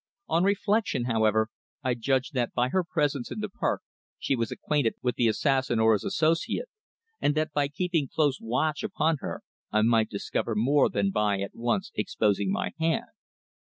On reflection, however, I judged that by her presence in the park she was acquainted with the assassin or his associate, and that by keeping close watch upon her I might discover more than by at once exposing my hand.